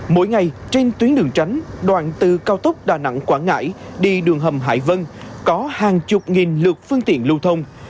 mỗi ngày trên tuyến đường tránh đoạn từ cao tốc đà nẵng quảng ngãi đi đường hầm hải vân có hàng chục nghìn lượt phương tiện lưu thông